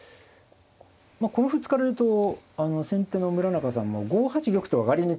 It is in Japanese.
まあこの歩突かれると先手の村中さんも５八玉と上がりにくいですよね。